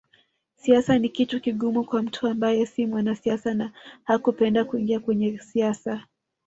Siasa ni kitu kigumu kwa mtu ambaye si mwanasiasa na hakupenda kuingia kwenye siasa